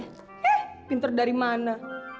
eh pinter dari mana